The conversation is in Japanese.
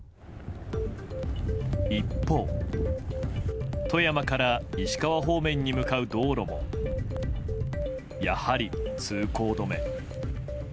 一方、富山から石川方面に向かう道路もやはり、通行止め。